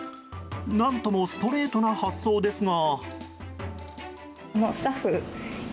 何ともストレートな発想ですが。